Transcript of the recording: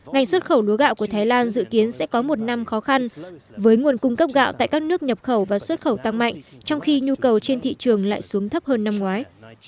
ngành xuất khẩu lúa gạo của thái lan dự kiến sẽ có một năm khó khăn với nguồn cung cấp gạo tại các nước nhập khẩu và xuất khẩu tăng mạnh trong khi nhu cầu trên thị trường lại xuống thấp hơn năm ngoái